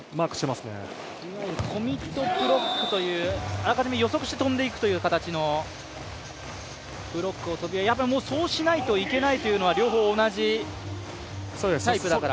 あらかじめ予測して跳んでいくという形のブロックをやっぱりそうしないといけないというのは両方同じタイプだから？